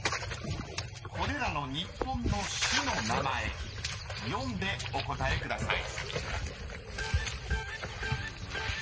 ［これらの日本の市の名前読んでお答えください］